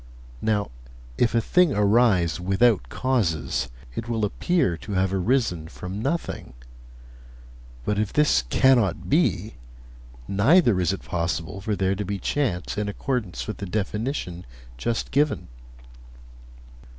Now, if a thing arise without causes, it will appear to have arisen from nothing. But if this cannot be, neither is it possible for there to be chance in accordance with the definition just given.'